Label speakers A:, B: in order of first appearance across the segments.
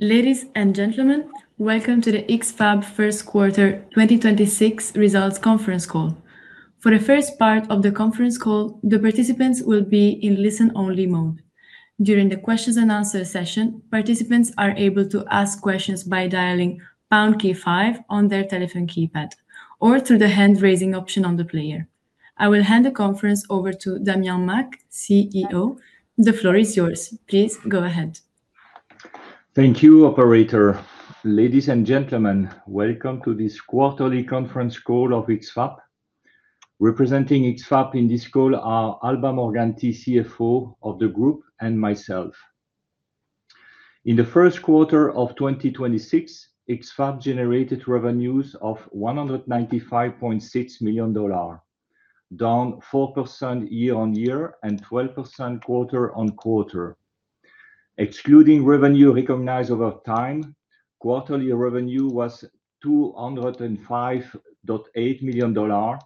A: Ladies and gentlemen, welcome to the X-FAB first quarter 2026 results conference call. For the first part of the conference call, the participants will be in listen-only mode. During the questions-and-answer session, participants are able to ask questions by dialing pound key five on their telephone keypad or through the hand-raising option on the player. I will hand the conference over to Damien Macq, CEO. The floor is yours. Please go ahead.
B: Thank you, operator. Ladies and gentlemen, welcome to this quarterly conference call of X-FAB. Representing X-FAB in this call are Alba Morganti, CFO of the group and myself. In the first quarter of 2026, X-FAB generated revenues of $195.6 million, down 4% year-on-year and 12% quarter-on-quarter. Excluding revenue recognized over time, quarterly revenue was $205.8 million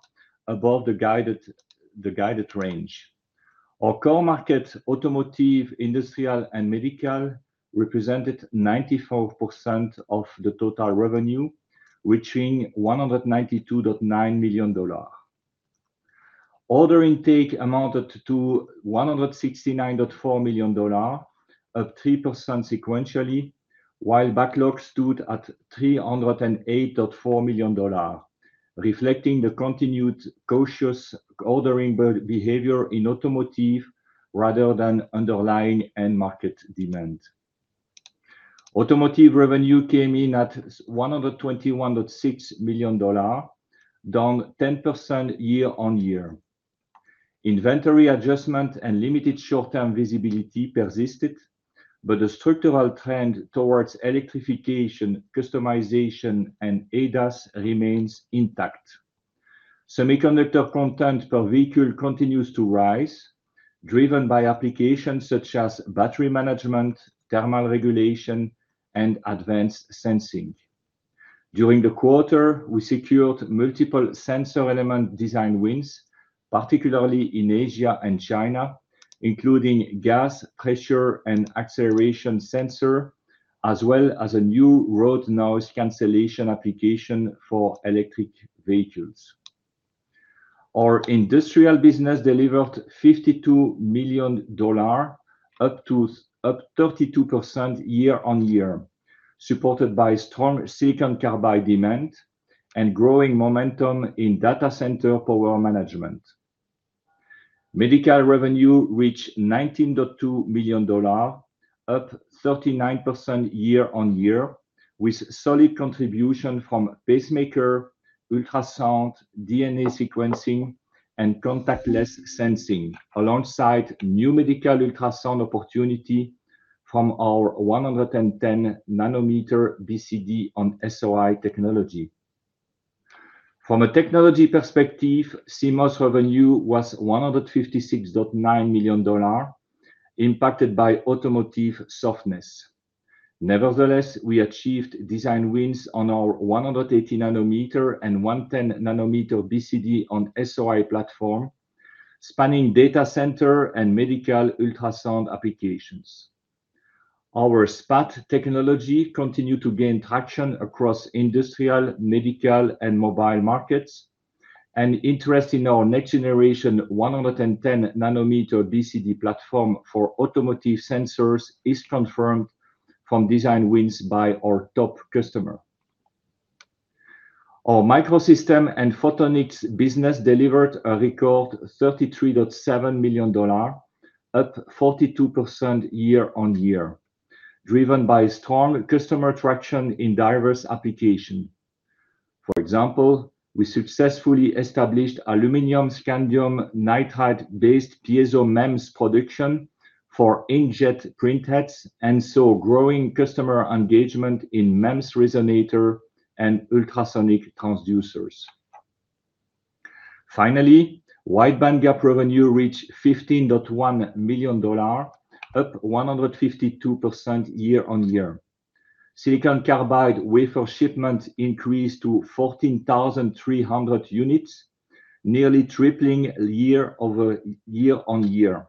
B: above the guided range. Our core market, automotive, industrial, and medical represented 94% of the total revenue, reaching $192.9 million. Order intake amounted to $169.4 million, up 3% sequentially, while backlog stood at $308.4 million, reflecting the continued cautious ordering behavior in automotive rather than underlying end market demand. Automotive revenue came in at $121.6 million, down 10% year-on-year. Inventory adjustment and limited short-term visibility persisted, but the structural trend towards electrification, customization, and ADAS remains intact. Semiconductor content per vehicle continues to rise, driven by applications such as battery management, thermal regulation, and advanced sensing. During the quarter, we secured multiple sensor element design wins, particularly in Asia and China, including gas pressure and acceleration sensor, as well as a new road noise cancellation application for electric vehicles. Our industrial business delivered $52 million, up 32% year-on-year, supported by strong silicon carbide demand and growing momentum in data center power management. Medical revenue reached $19.2 million, up 39% year-over-year, with solid contribution from pacemaker, ultrasound, DNA sequencing, and contactless sensing, alongside new medical ultrasound opportunity from our 110 nm BCD-on-SOI technology. From a technology perspective, CMOS revenue was $156.9 million, impacted by automotive softness. Nevertheless, we achieved design wins on our 180 nm and 110 nm BCD-on-SOI platform, spanning data center and medical ultrasound applications. Our SOI technology continued to gain traction across industrial, medical, and mobile markets, and interest in our next generation 110 nm BCD platform for automotive sensors is confirmed from design wins by our top customer. Our Microsystems and Photonics business delivered a record $33.7 million, up 42% year-on-year, driven by strong customer traction in diverse application. For example, we successfully established aluminum scandium nitride-based piezo-MEMS production for inkjet printheads and saw growing customer engagement in MEMS resonator and ultrasonic transducers. Wide bandgap revenue reached $15.1 million, up 152% year-on-year. Silicon Carbide wafer shipments increased to 14,300 units, nearly tripling year-on-year.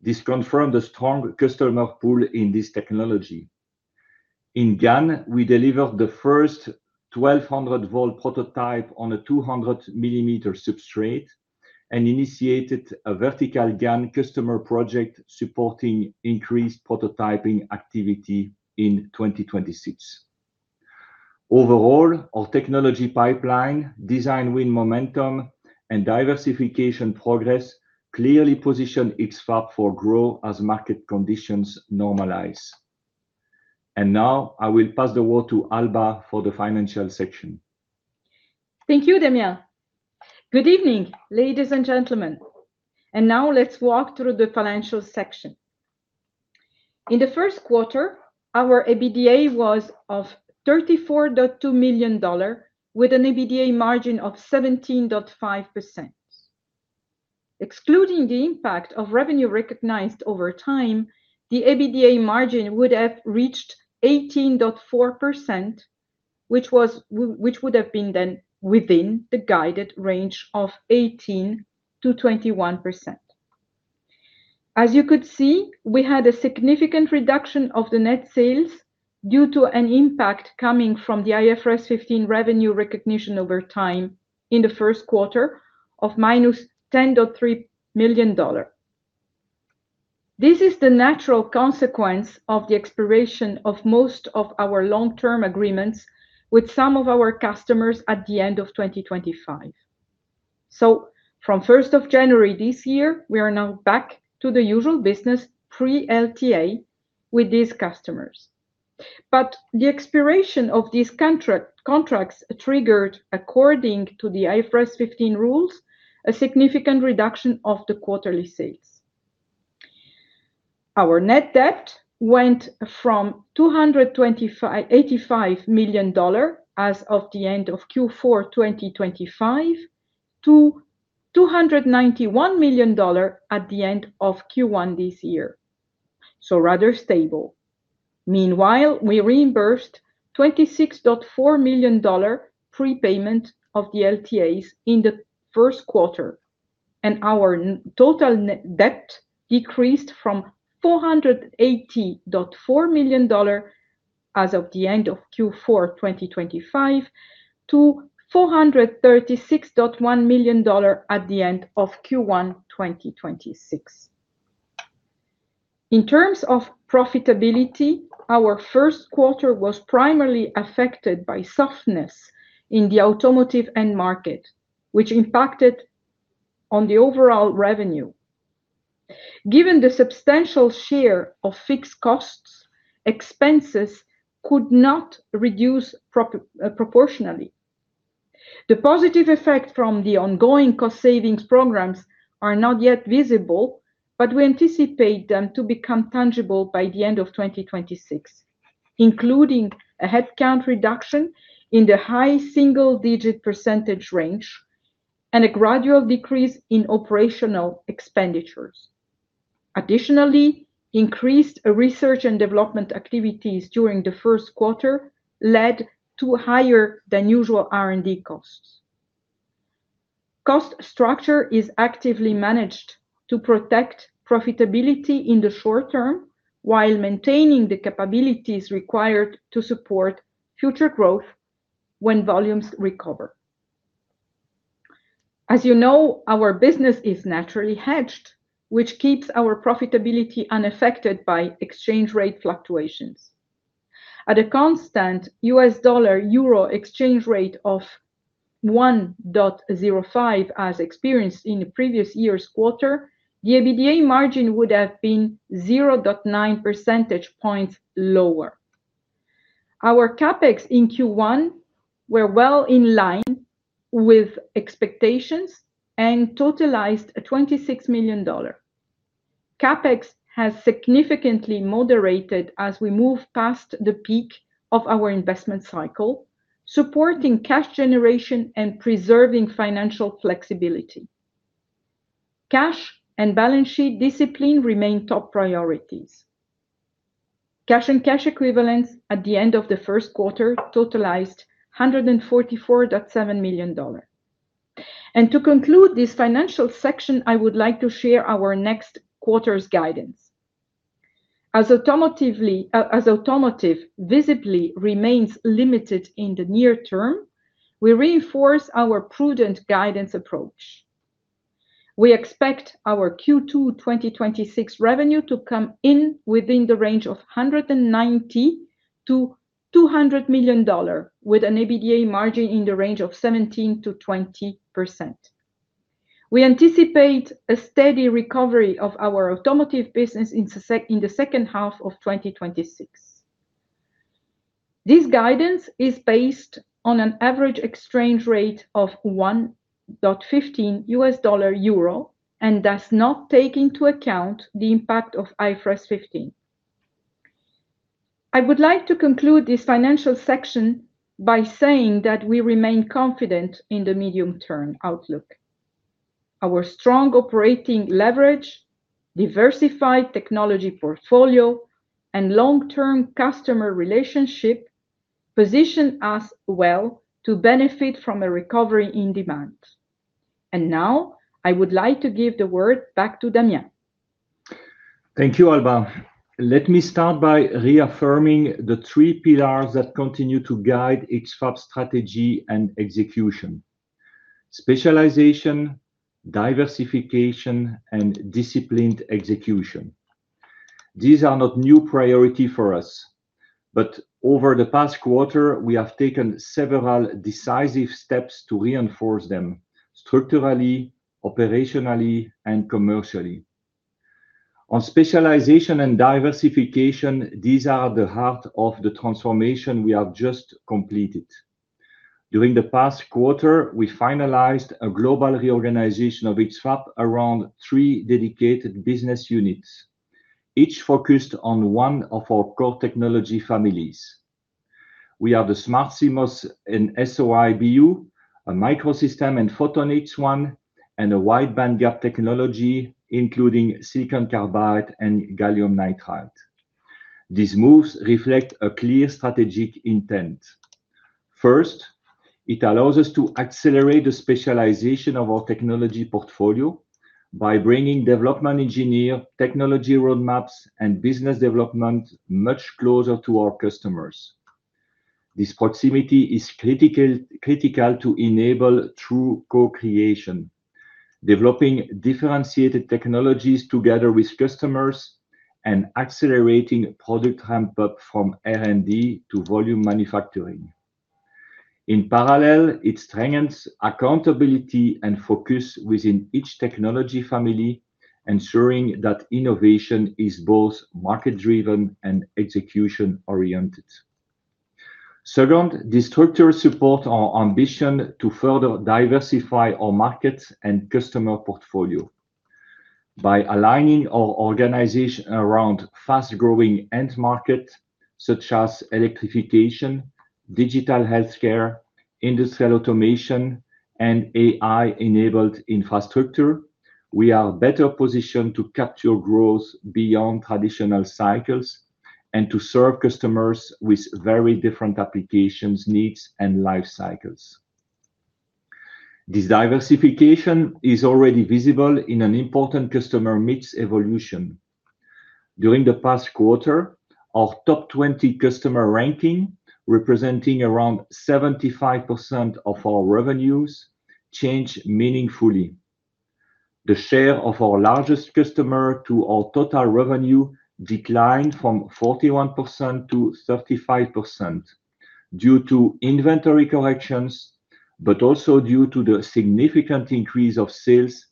B: This confirmed a strong customer pool in this technology. In GaN, we delivered the first 1,200 V prototype on a 200 mm substrate and initiated a vertical GaN customer project supporting increased prototyping activity in 2026. Our technology pipeline, design win momentum, and diversification progress clearly position X-FAB for growth as market conditions normalize. Now I will pass the word to Alba for the financial section.
C: Thank you, Damien. Good evening, ladies and gentlemen. Now let's walk through the financial section. In the first quarter, our EBITDA was of $34.2 million with an EBITDA margin of 17.5%. Excluding the impact of revenue recognized over time, the EBITDA margin would have reached 18.4%, which would have been then within the guided range of 18%-21%. As you could see, we had a significant reduction of the net sales due to an impact coming from the IFRS 15 revenue recognition over time in the first quarter of -$10.3 million. This is the natural consequence of the expiration of most of our Long-Term Agreements with some of our customers at the end of 2025. From 1st of January this year, we are now back to the usual business pre-LTA with these customers. The expiration of these contracts triggered, according to the IFRS 15 rules, a significant reduction of the quarterly sales. Our net debt went from $285 million as of the end of Q4 2025 to $291 million at the end of Q1 this year, so rather stable. Meanwhile, we reimbursed $26.4 million prepayment of the LTAs in the first quarter, and our total net debt decreased from $480.4 million as of the end of Q4 2025 to $436.1 million at the end of Q1 2026. In terms of profitability, our first quarter was primarily affected by softness in the automotive end market, which impacted on the overall revenue. Given the substantial share of fixed costs, expenses could not reduce proportionally. The positive effect from the ongoing cost savings programs are not yet visible, but we anticipate them to become tangible by the end of 2026, including a headcount reduction in the high single-digit percentage range and a gradual decrease in operational expenditures. Additionally, increased research and development activities during the first quarter led to higher than usual R&D costs. Cost structure is actively managed to protect profitability in the short term while maintaining the capabilities required to support future growth when volumes recover. As you know, our business is naturally hedged, which keeps our profitability unaffected by exchange rate fluctuations. At a constant US dollar-euro exchange rate of 1.05, as experienced in the previous year's quarter, the EBITDA margin would have been 0.9 percentage points lower. Our CapEx in Q1 were well in line with expectations and totalized a $26 million. CapEx has significantly moderated as we move past the peak of our investment cycle, supporting cash generation and preserving financial flexibility. Cash and balance sheet discipline remain top priorities. Cash and cash equivalents at the end of the first quarter totalized $144.7 million. To conclude this financial section, I would like to share our next quarter's guidance. As automotive visibly remains limited in the near term, we reinforce our prudent guidance approach. We expect our Q2 2026 revenue to come in within the range of $190 million-$200 million with an EBITDA margin in the range of 17%-20%. We anticipate a steady recovery of our automotive business in the second half of 2026. This guidance is based on an average exchange rate of 1.15 US dollar-euro and does not take into account the impact of IFRS 15. I would like to conclude this financial section by saying that we remain confident in the medium-term outlook. Our strong operating leverage, diversified technology portfolio, and long-term customer relationship position us well to benefit from a recovery in demand. Now I would like to give the word back to Damien.
B: Thank you, Alba. Let me start by reaffirming the three pillars that continue to guide X-FAB strategy and execution: Specialization, Diversification, and Disciplined Execution. These are not new priority for us, but over the past quarter, we have taken several decisive steps to reinforce them structurally, operationally, and commercially. On Specialization and Diversification, these are the heart of the transformation we have just completed. During the past quarter, we finalized a global reorganization of X-FAB around three dedicated business units, each focused on one of our core technology families. We have the Smart CMOS and SOI BU, a Microsystems and Photonics one, and a Wide bandgap technology, including silicon carbide and gallium nitride. These moves reflect a clear strategic intent. First, it allows us to accelerate the specialization of our technology portfolio by bringing development engineer, technology roadmaps, and business development much closer to our customers. This proximity is critical to enable true co-creation, developing differentiated technologies together with customers and accelerating product ramp-up from R&D to volume manufacturing. In parallel, it strengthens accountability and focus within each technology family, ensuring that innovation is both market-driven and execution-oriented. Second, this structure support our ambition to further diversify our market and customer portfolio. By aligning our organization around fast-growing end market, such as electrification, digital healthcare, industrial automation, and AI-enabled infrastructure, we are better positioned to capture growth beyond traditional cycles and to serve customers with very different applications, needs, and life cycles. This diversification is already visible in an important customer mix evolution. During the past quarter, our top 20 customer ranking, representing around 75% of our revenues, changed meaningfully. The share of our largest customer to our total revenue declined from 41% to 35% due to inventory corrections, but also due to the significant increase of sales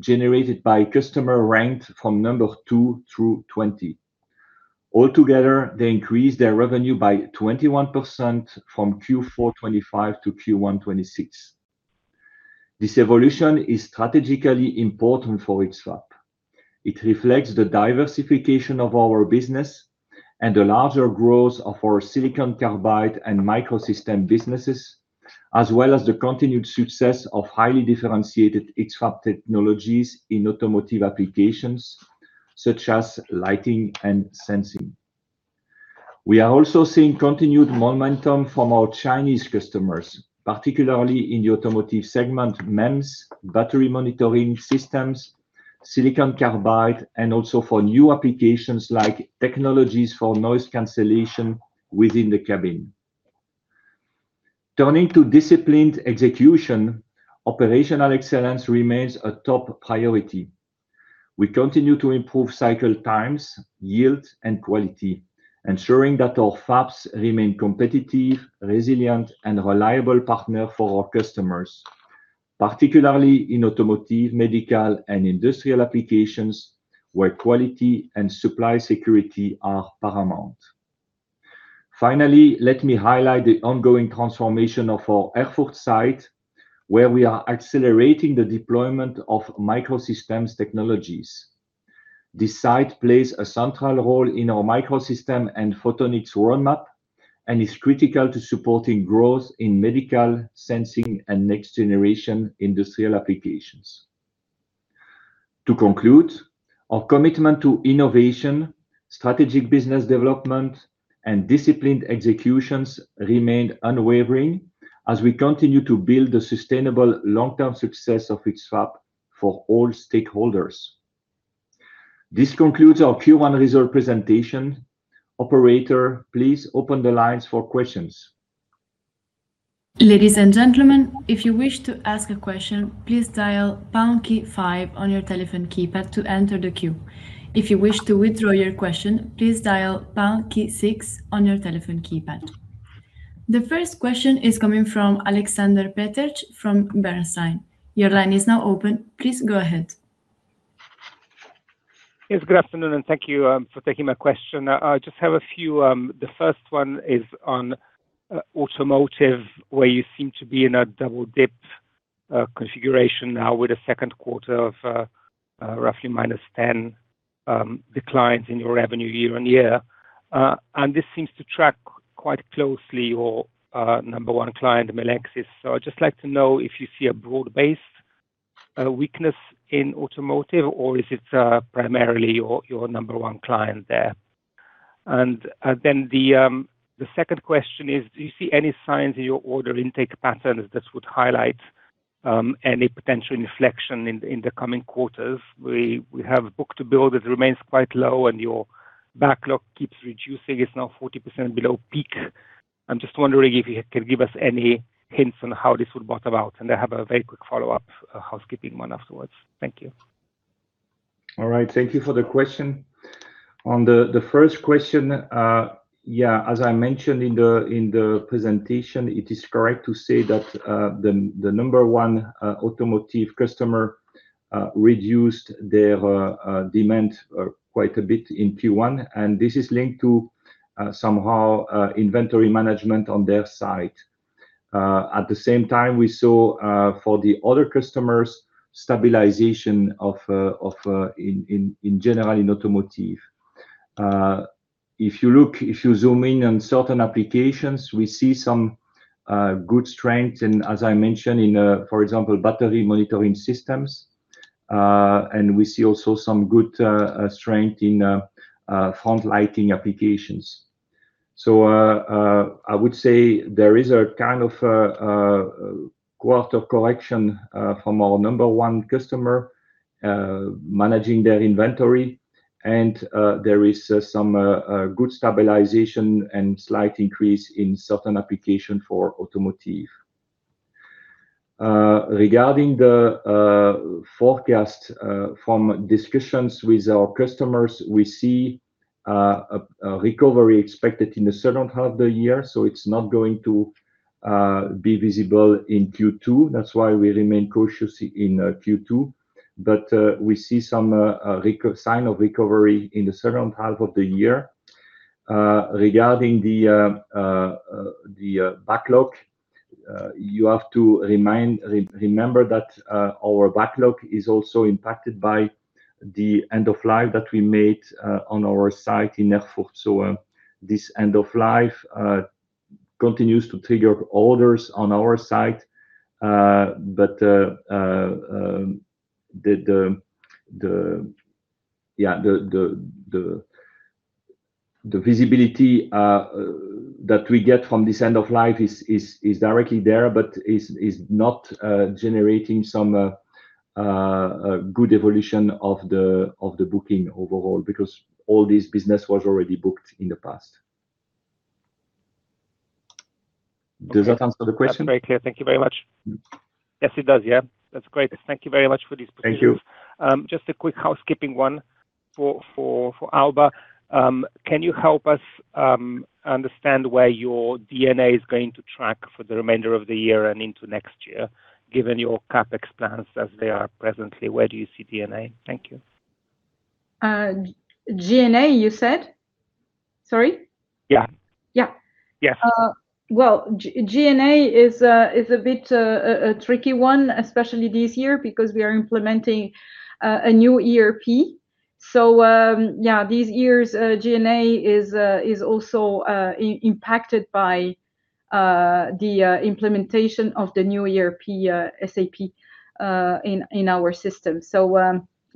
B: generated by customer ranked from number two through 20. Altogether, they increased their revenue by 21% from Q4 2025 to Q1 2026. This evolution is strategically important for X-FAB. It reflects the diversification of our business and the larger growth of our silicon carbide and microsystem businesses, as well as the continued success of highly differentiated X-FAB technologies in automotive applications, such as lighting and sensing. We are also seeing continued momentum from our Chinese customers, particularly in the automotive segment, MEMS, battery monitoring systems, silicon carbide, and also for new applications like technologies for noise cancellation within the cabin. Turning to disciplined execution, operational excellence remains a top priority. We continue to improve cycle times, yield, and quality, ensuring that our fabs remain competitive, resilient, and reliable partner for our customers, particularly in automotive, medical, and industrial applications, where quality and supply security are paramount. Finally, let me highlight the ongoing transformation of our Erfurt site, where we are accelerating the deployment of Microsystems technologies. This site plays a central role in our Microsystems and Photonics roadmap, and is critical to supporting growth in medical sensing and next-generation industrial applications. To conclude, our commitment to innovation, strategic business development, and disciplined executions remain unwavering as we continue to build the sustainable long-term success of X-FAB for all stakeholders. This concludes our Q1 result presentation. Operator, please open the lines for questions.
A: Ladies and gentlemen, if you wish to ask a question, please dial pound key five on your telephone keypad to enter the queue. If you wish to withdraw your question, please dial pound key six on your telephone keypad. The first question is coming from Aleksander Peterc from Bernstein. Your line is now open. Please go ahead.
D: Yes, good afternoon, and thank you for taking my question. I just have a few. The first one is on automotive, where you seem to be in a double-dip configuration now with the second quarter of roughly -10% declines in your revenue year-on-year. This seems to track quite closely your number one client, Melexis. I'd just like to know if you see a broad-based weakness in automotive, or is it primarily your number one client there? The second question is, do you see any signs in your order intake patterns that would highlight any potential inflection in the coming quarters? We have book-to-bill that remains quite low, and your backlog keeps reducing. It's now 40% below peak. I'm just wondering if you can give us any hints on how this would bottom out. I have a very quick follow-up, a housekeeping one afterwards. Thank you.
B: All right. Thank you for the question. On the first question, yeah, as I mentioned in the presentation, it is correct to say that the number one automotive customer reduced their demand quite a bit in Q1, and this is linked to somehow inventory management on their side. At the same time, we saw for the other customers, stabilization of in general in automotive. If you zoom in on certain applications, we see some good strength in, as I mentioned, in for example, battery monitoring systems. We see also some good strength in front lighting applications. I would say there is a kind of quarter correction from our number one customer, managing their inventory. There is some good stabilization and slight increase in certain application for automotive. Regarding the forecast, from discussions with our customers, we see a recovery expected in the second half of the year, so it's not going to be visible in Q2. That's why we remain cautious in Q2. We see some sign of recovery in the second half of the year. Regarding the backlog, you have to remember that our backlog is also impacted by the end of life that we made on our site in Erfurt. This end of life continues to trigger orders on our side. The visibility that we get from this end of life is directly there, but is not generating some good evolution of the booking overall because all this business was already booked in the past. Does that answer the question?
D: That's very clear. Thank you very much.
B: Mm.
D: Yes, it does. Yeah. That's great. Thank you very much for this visibility.
B: Thank you.
D: Just a quick housekeeping one for Alba. Can you help us understand where your G&A is going to track for the remainder of the year and into next year, given your CapEx plans as they are presently? Where do you see G&A? Thank you.
C: G&A, you said? Sorry.
D: Yeah.
C: Yeah.
D: Yeah.
C: Well, G&A is a bit of a tricky one, especially this year, because we are implementing a new ERP. This year's G&A is also impacted by the implementation of the new ERP, SAP, in our system.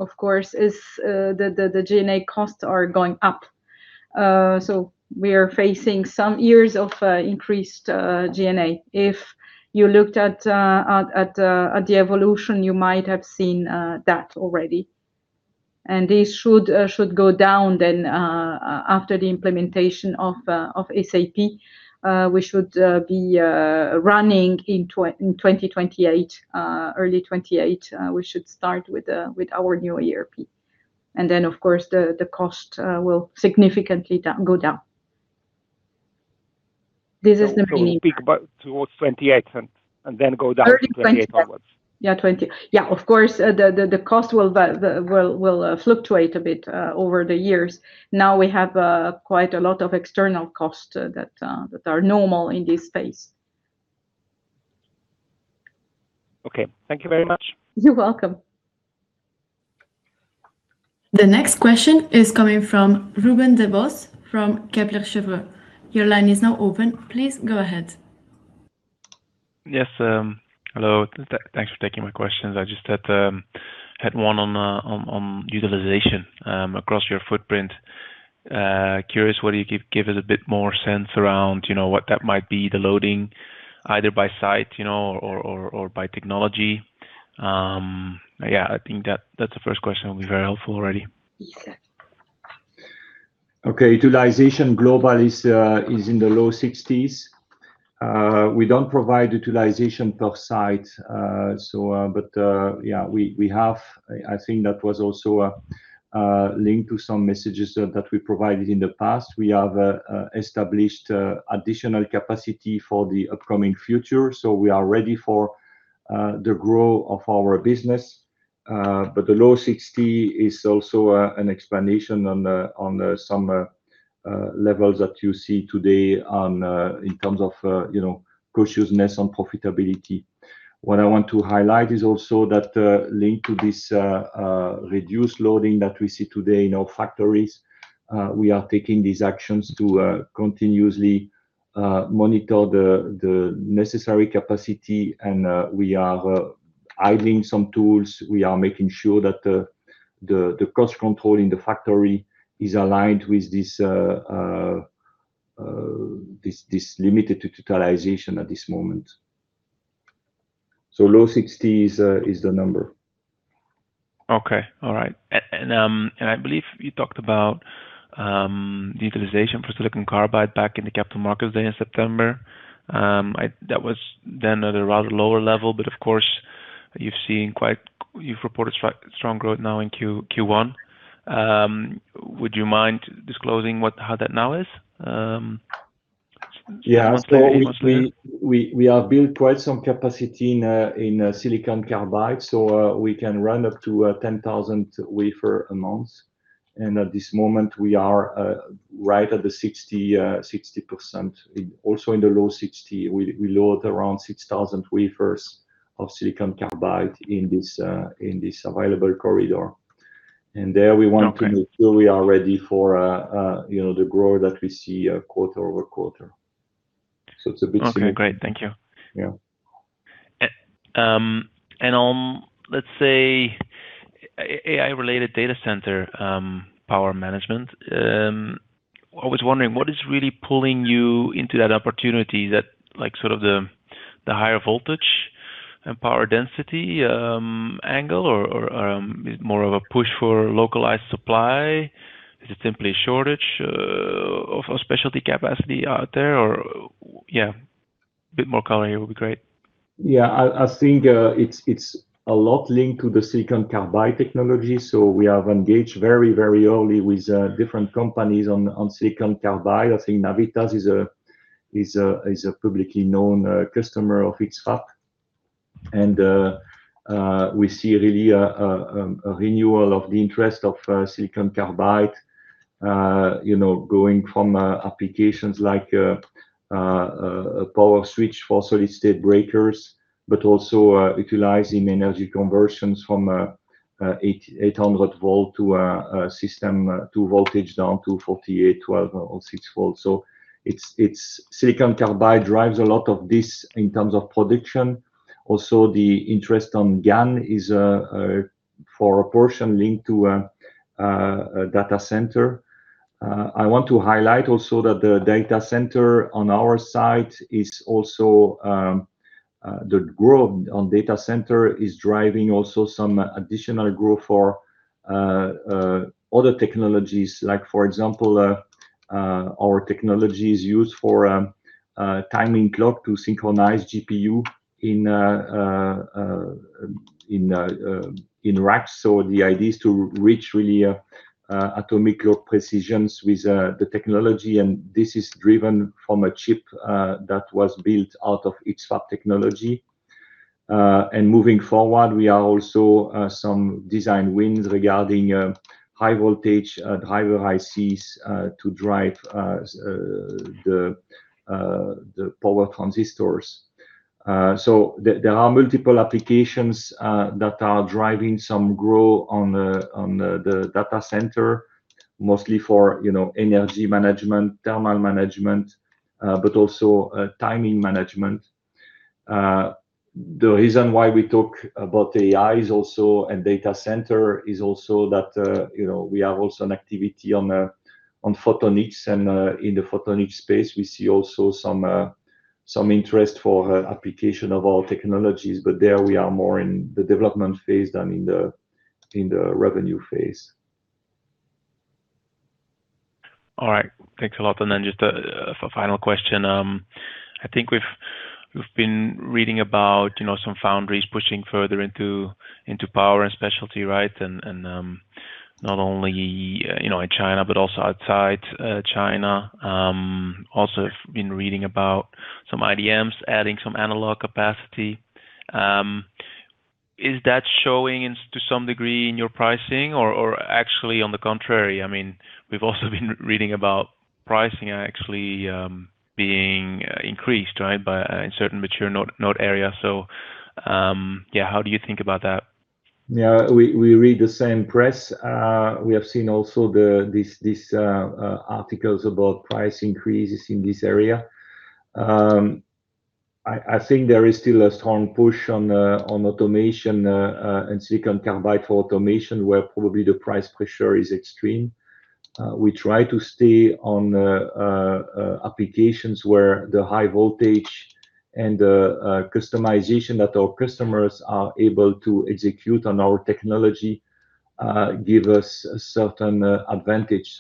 C: Of course, the G&A costs are going up. We are facing some years of increased G&A. If you looked at the evolution, you might have seen that already. This should go down then after the implementation of SAP. We should be running in 2028, early 2028 we should start with our new ERP. Of course, the cost will significantly go down. This is the peak.
D: A peak about towards 2028 and then go down in 2028 onwards.
C: Yeah, 20. Yeah, of course, the cost will fluctuate a bit over the years. Now we have quite a lot of external costs that are normal in this space.
D: Okay. Thank you very much.
C: You're welcome.
A: The next question is coming from Ruben Devos from Kepler Cheuvreux. Your line is now open. Please go ahead.
E: Yes. Hello. Thanks for taking my questions. I just had one on utilization across your footprint. Curious whether you could give us a bit more sense around, you know, what that might be, the loading, either by site, you know, or by technology. Yeah, I think that's the first question will be very helpful already.
C: Yes, sir.
B: Okay. Global utilization is in the low 60s%. We don't provide utilization per site. I think that was also a link to some messages that we provided in the past. We have established additional capacity for the upcoming future, so we are ready for the growth of our business. The low 60% is also an explanation on some levels that you see today in terms of you know, cautiousness on profitability. What I want to highlight is also that linked to this reduced loading that we see today in our factories, we are taking these actions to continuously monitor the necessary capacity and we are idling some tools. We are making sure that the cost control in the factory is aligned with this limited utilization at this moment. Low 60s% is the number.
E: I believe you talked about the utilization for silicon carbide back in the Capital Markets Day in September. That was then at a rather lower level, but of course you've reported strong growth now in Q1. Would you mind disclosing how that now is?
B: Yeah.
E: Just very much-
B: We have built quite some capacity in silicon carbide, so we can run up to 10,000 wafers a month. At this moment, we are right at the 60%. Also in the low 60%. We load around 6,000 wafers of silicon carbide in this available corridor. There we want-
E: Okay
B: to make sure we are ready for, you know, the growth that we see, quarter-over-quarter. It's a big segment.
E: Okay, great. Thank you.
B: Yeah.
E: On, let's say, AI-related data center power management, I was wondering what is really pulling you into that opportunity that like sort of the higher voltage and power density angle or more of a push for localized supply? Is it simply a shortage of specialty capacity out there? Or yeah, a bit more color here would be great.
B: Yeah. I think it's a lot linked to the silicon carbide technology. We have engaged very early with different companies on silicon carbide. I think Navitas is a publicly known customer of X-FAB. We see really a renewal of the interest of silicon carbide, you know, going from power switch for solid-state breakers, but also utilizing energy conversions from 800 V to a system to voltage down to 48 V, 12 V or 6 V. Silicon carbide drives a lot of this in terms of production. Also, the interest on GaN is for a portion linked to a data center. I want to highlight also that the data center on our side is also the growth on data center is driving also some additional growth for other technologies like, for example, our technologies used for timing clock to synchronize GPU in in racks. The idea is to reach really atomic clock precisions with the technology, and this is driven from a chip that was built out of X-FAB technology. Moving forward, we are also some design wins regarding high voltage higher ICs to drive the power transistors. There are multiple applications that are driving some growth on the data center, mostly for, you know, energy management, thermal management, but also timing management. The reason why we talk about AI and data center is also that, you know, we have also an activity on photonics, and in the photonics space, we see also some interest for application of our technologies. There we are more in the development phase than in the revenue phase.
E: All right. Thanks a lot. Just a final question. I think we've been reading about, you know, some foundries pushing further into power and specialty, right? Not only, you know, in China but also outside China. Also been reading about some IDMs adding some analog capacity. Is that showing to some degree in your pricing? Or actually on the contrary, I mean, we've also been reading about pricing actually being increased, right, by in certain mature node area. Yeah, how do you think about that?
B: Yeah. We read the same press. We have seen also these articles about price increases in this area. I think there is still a strong push on automation and silicon carbide for automation, where probably the price pressure is extreme. We try to stay on applications where the high voltage and customization that our customers are able to execute on our technology give us a certain advantage.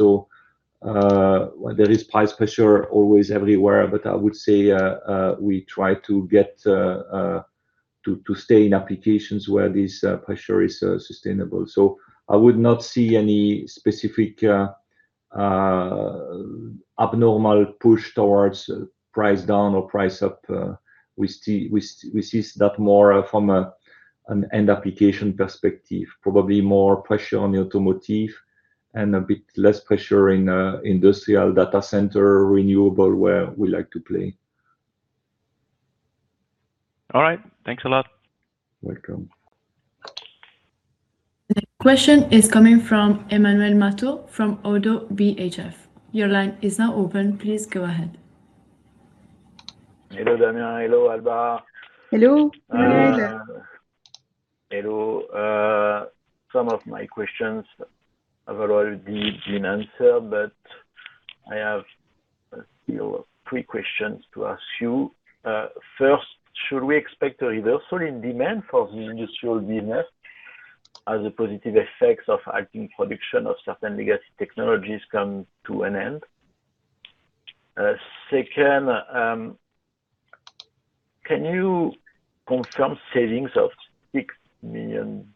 B: There is price pressure always everywhere, but I would say, we try to get to stay in applications where this pressure is sustainable. I would not see any specific abnormal push towards price down or price up. We see that more from an end application perspective, probably more pressure on the automotive and a bit less pressure in industrial data center, renewable, where we like to play.
E: All right. Thanks a lot.
B: Welcome.
A: The question is coming from Emmanuel Matot from ODDO BHF. Your line is now open. Please go ahead.
F: Hello, Damien. Hello, Alba.
C: Hello, Emmanuel.
F: Hello. Some of my questions have already been answered, but I have three questions to ask you. First, should we expect a reversal in demand for the industrial business as the positive effects of hiking production of certain legacy technologies come to an end? Second, can you confirm savings of $6 million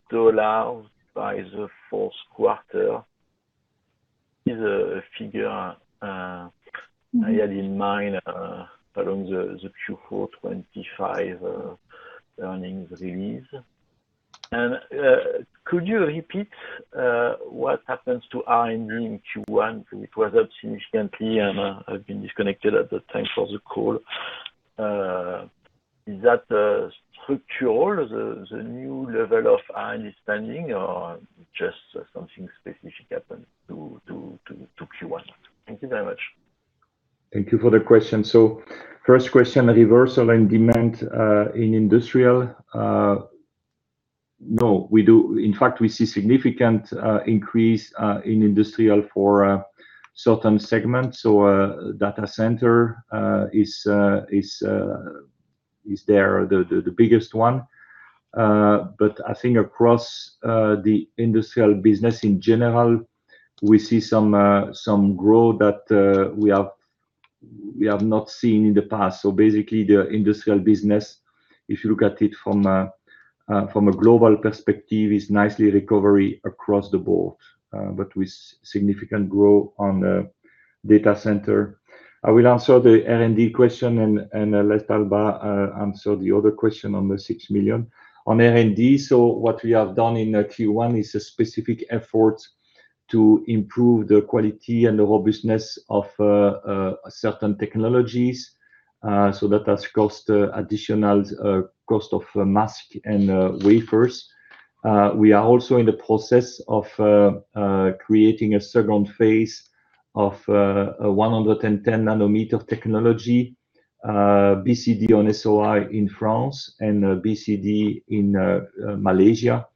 F: by the fourth quarter? It's a figure I had in mind following the Q4 2025 earnings release. Could you repeat what happens to R&D in Q1? It was up significantly, and I've been disconnected at the time of the call. Is that structural, the new level of spending, or just something specific happened to Q1? Thank you very much.
B: Thank you for the question. First question, reversal in demand in industrial. No, in fact, we see significant increase in industrial for certain segments. Data center is the biggest one. I think across the industrial business in general, we see some growth that we have not seen in the past. Basically, the industrial business, if you look at it from a global perspective, is nice recovery across the board, but with significant growth on the data center. I will answer the R&D question and let Alba answer the other question on the $6 million. On R&D, what we have done in Q1 is a specific effort to improve the quality and the robustness of certain technologies, so that has cost additional cost of mask and wafers. We are also in the process of creating a second phase of 110 nm technology, BCD-on-SOI in France and BCD in Malaysia.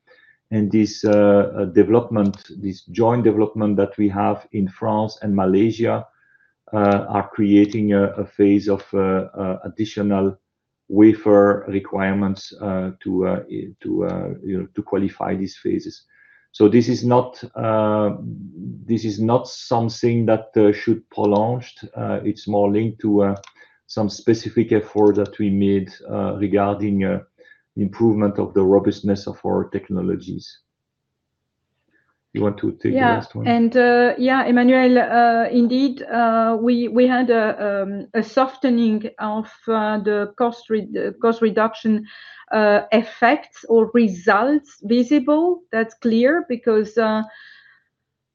B: This development, this joint development that we have in France and Malaysia, are creating a phase of additional wafer requirements, you know, to qualify these phases. This is not something that should be prolonged. It's more linked to some specific effort that we made regarding improvement of the robustness of our technologies. You want to take the last one?
C: Yeah. Emmanuel, indeed, we had a softening of the cost reduction effects or results visible. That's clear, because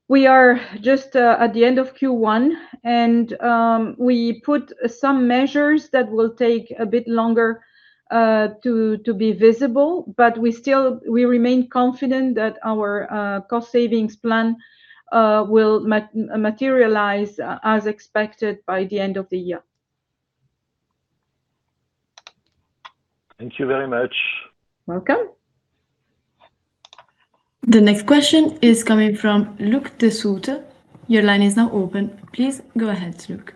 C: we are just at the end of Q1 and we put some measures that will take a bit longer to be visible, but we remain confident that our cost savings plan will materialize as expected by the end of the year.
F: Thank you very much.
C: Welcome.
A: The next question is coming from [Luc de Suter]. Your line is now open. Please go ahead, Luc.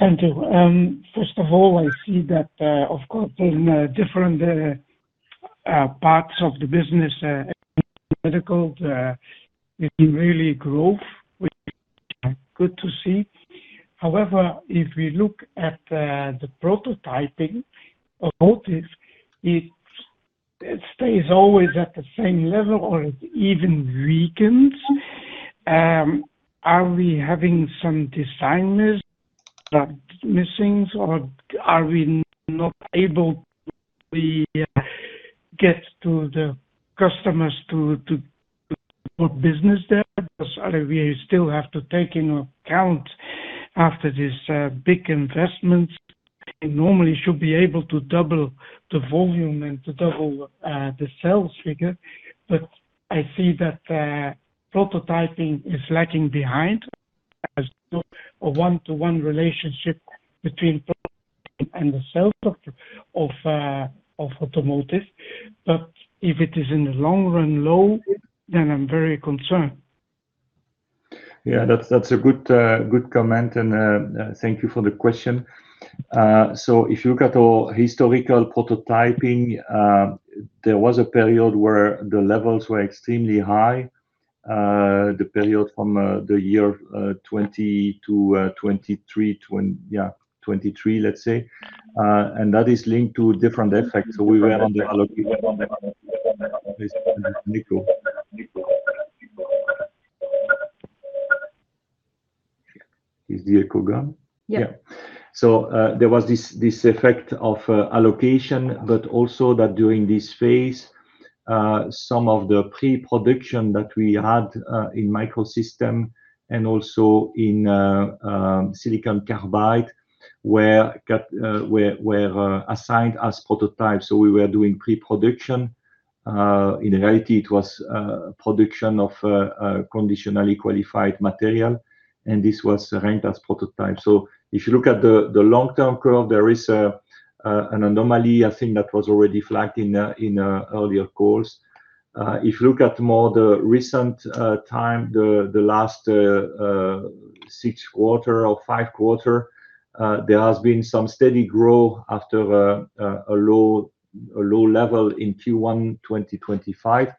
G: Thank you. First of all, I see that, of course, in different parts of the business, medical, we see real growth, which is good to see. However, if we look at the prototyping of automotive, it stays always at the same level or it even weakens. Are we having some designers that missing, or are we not able to get to the customers to put business there? Because we still have to take into account after this big investment, it normally should be able to double the volume and to double the sales figure. I see that prototyping is lagging behind as to a one-to-one relationship between prototyping and the sales of automotive. If it is in the long run low, then I'm very concerned.
B: Yeah, that's a good comment and thank you for the question. If you look at our historical prototyping, there was a period where the levels were extremely high, the period from the year 2020 to 2023, let's say. That is linked to different effects. We were on the allocation with Nico. Is the echo gone?
C: Yeah.
B: Yeah. There was this effect of allocation, but also that during this phase, some of the pre-production that we had in Microsystems and also in silicon carbide were assigned as prototypes. We were doing pre-production. In reality it was production of conditionally qualified material, and this was ranked as prototype. If you look at the long-term curve, there is an anomaly, I think, that was already flagged in earlier calls. If you look at more the recent time, the last six quarters or five quarters, there has been some steady growth after a low level in Q1 2025.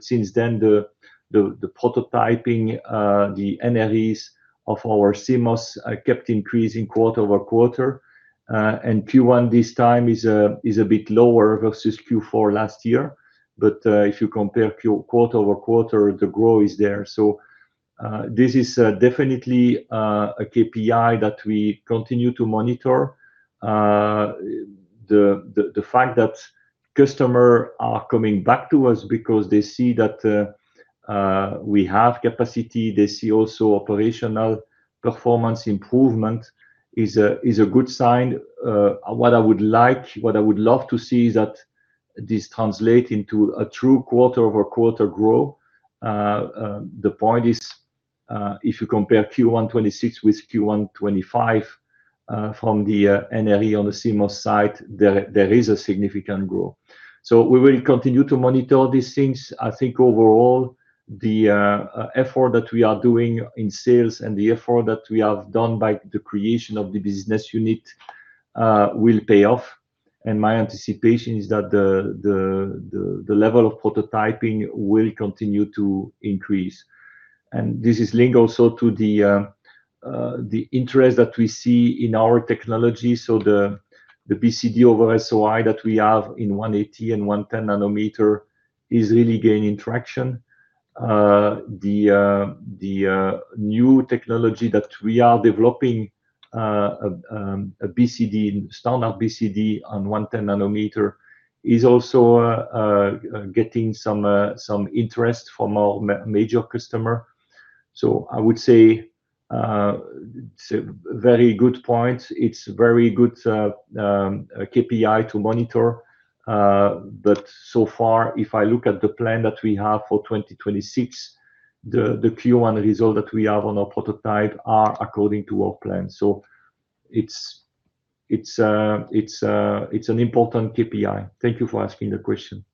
B: Since then, the prototyping, the NREs of our CMOS kept increasing quarter-over-quarter. Q1 this time is a bit lower versus Q4 last year. If you compare quarter-over-quarter, the growth is there. This is definitely a KPI that we continue to monitor. The fact that customer are coming back to us because they see that we have capacity. They see also operational performance improvement is a good sign. What I would like, what I would love to see is that this translate into a true quarter-over-quarter growth. The point is, if you compare Q1 2026 with Q1 2025, from the NRE on the CMOS side, there is a significant growth. We will continue to monitor these things. I think overall the effort that we are doing in sales and the effort that we have done by the creation of the business unit will pay off. My anticipation is that the level of prototyping will continue to increase. This is linked also to the interest that we see in our technology. The BCD on SOI that we have in 180 nm and 110 nm is really gaining traction. The new technology that we are developing, a BCD, standard BCD on 110 nm is also getting some interest from our major customer. I would say it's a very good point. It's very good KPI to monitor. So far, if I look at the plan that we have for 2026, the Q1 result that we have on our prototype are according to our plan. It's an important KPI. Thank you for asking the question.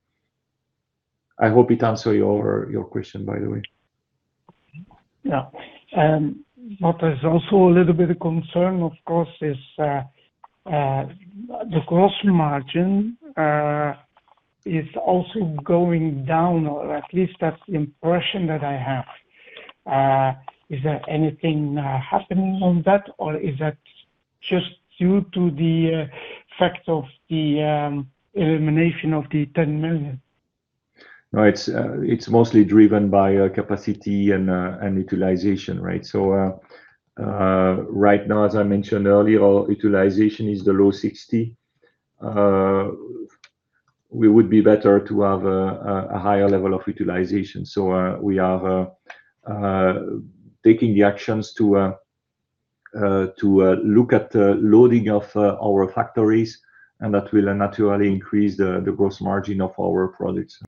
B: I hope it answer your question, by the way.
G: Yeah. What is also a little bit of concern, of course, is the gross margin is also going down, or at least that's the impression that I have. Is there anything happening on that? Is that just due to the fact of the elimination of the $10 million?
B: No, it's mostly driven by capacity and utilization, right? Right now, as I mentioned earlier, our utilization is the low 60%. We would be better to have a higher level of utilization. We are taking the actions to look at the loading of our factories, and that will naturally increase the gross margin of our products.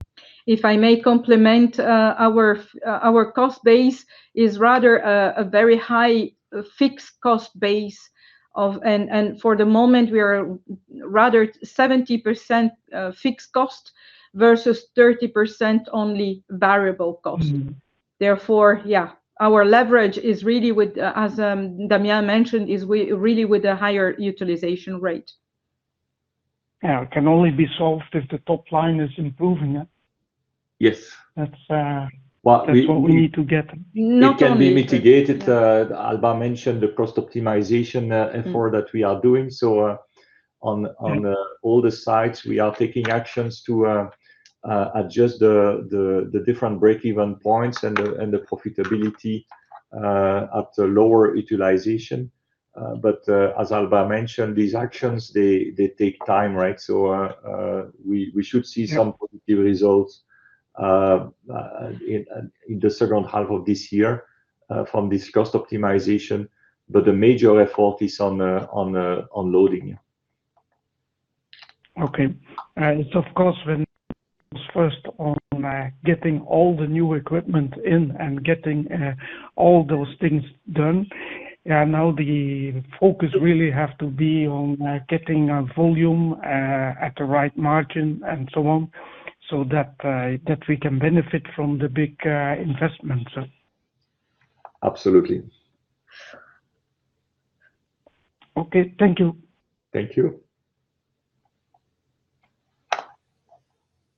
C: If I may complement, our cost base is rather a very high fixed cost base. For the moment, we are rather 70% fixed cost versus 30% only variable cost.
G: Mm-hmm.
C: Yeah, our leverage is really with, as Damien mentioned, is really with a higher utilization rate.
G: Yeah. It can only be solved if the top line is improving, yeah?
B: Yes.
G: That's.
B: Well.
G: That's what we need to get.
C: Not only-
B: It can be mitigated. Alba mentioned the cost optimization effort that we are doing. On all the sites, we are taking actions to adjust the different break-even points and the profitability at a lower utilization. As Alba mentioned, these actions, they take time, right.
G: Yeah
B: positive results, in the second half of this year, from this cost optimization, but the major effort is on the loading, yeah.
G: Okay. It's, of course, when it was first on, getting all the new equipment in and getting, all those things done, now the focus really have to be on, getting, volume, at the right margin and so on, so that we can benefit from the big, investment.
B: Absolutely.
G: Okay. Thank you.
B: Thank you.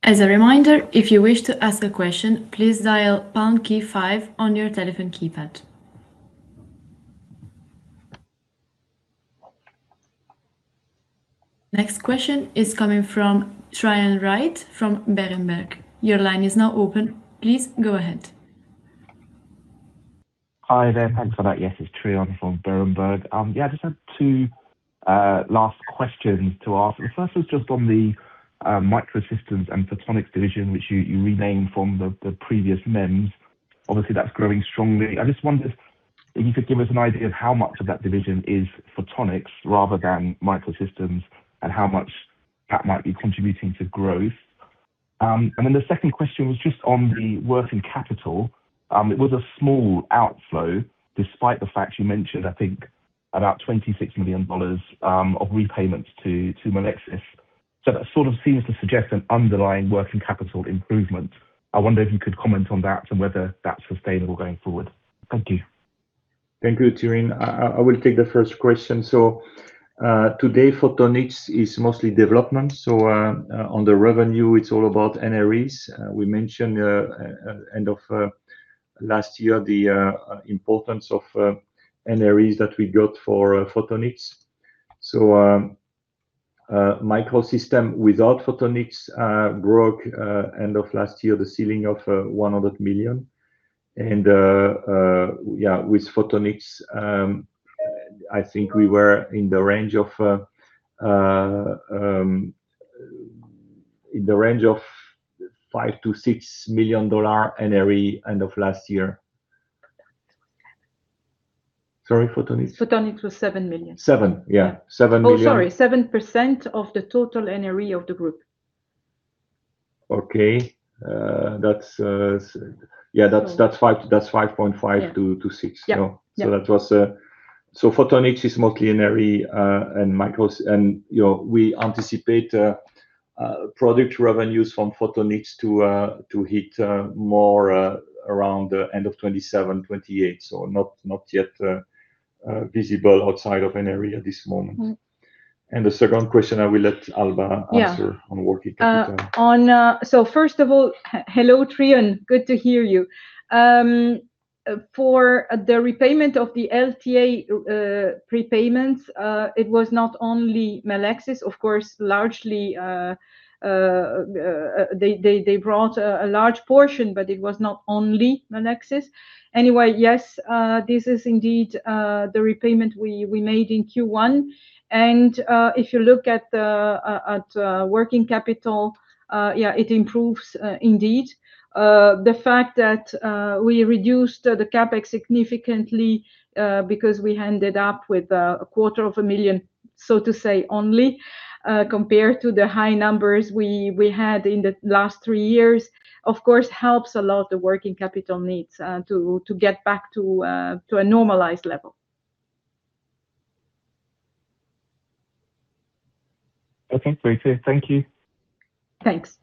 A: Next question is coming from Trion Reid from Berenberg. Your line is now open. Please go ahead.
H: Hi there. Thanks for that. Yes, it's Trion from Berenberg. I just have two last questions to ask. The first was just on the Microsystems and Photonics division, which you renamed from the previous MEMS. Obviously, that's growing strongly. I just wonder if you could give us an idea of how much of that division is Photonics rather than Microsystems, and how much that might be contributing to growth. The second question was just on the working capital. It was a small outflow, despite the fact you mentioned, I think about $26 million of repayments to Melexis. That sort of seems to suggest an underlying working capital improvement. I wonder if you could comment on that and whether that's sustainable going forward. Thank you.
B: Thank you, [Trion]. I will take the first question. Today Photonics is mostly development. On the revenue, it's all about NREs. We mentioned end of last year the importance of NREs that we got for Photonics. Microsystems without Photonics grew end of last year the ceiling of $100 million. With Photonics, I think we were in the range of $5 million-$6 million NRE end of last year. Sorry, Photonics?
C: Photonics was $7 million.
B: $7 million
C: Oh, sorry. 7% of the total NRE of the group.
B: Okay. Yeah, that's.
C: So-
B: That's 5.5%-6%.
C: Yeah. Yeah.
B: Photonics is mostly NRE and micros, and you know, we anticipate product revenues from Photonics to hit more around the end of 2027, 2028, so not yet visible outside of NRE at this moment.
C: Mm-hmm.
B: The second question I will let Alba answer.
C: Yeah
B: on working capital.
C: First of all, hello, Trion. Good to hear you. For the repayment of the LTA prepayments, it was not only Melexis. Of course, largely, they brought a large portion, but it was not only Melexis. Anyway, yes, this is indeed the repayment we made in Q1, and if you look at the working capital, yeah, it improves indeed. The fact that we reduced the CapEx significantly, because we ended up with $250,000 so to say, only, compared to the high numbers we had in the last three years, of course helps a lot the working capital needs, to get back to a normalized level.
H: Okay. Great. Thank you.
C: Thanks.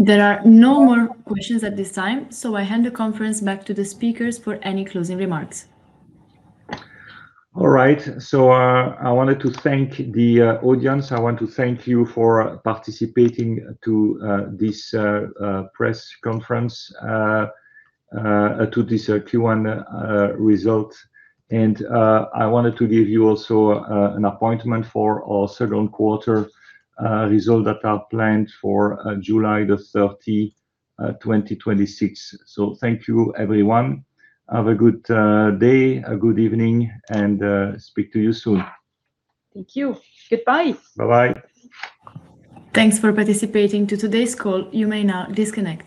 A: There are no more questions at this time, so I hand the conference back to the speakers for any closing remarks.
B: All right. I wanted to thank the audience. I want to thank you for participating to this press conference to this Q1 result. I wanted to give you also an appointment for our second quarter result that are planned for July 30, 2026. Thank you everyone. Have a good day, a good evening, and speak to you soon.
C: Thank you. Goodbye.
B: Bye-bye.
A: Thanks for participating to today's call. You may now disconnect.